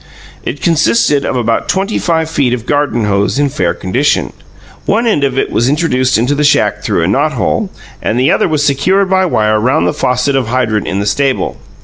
It consisted of about twenty five feet of garden hose in fair condition. One end of it was introduced into the shack through a knothole, and the other was secured by wire round the faucet of hydrant in the stable.